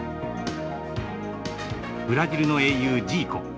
ブラジルの英雄ジーコ。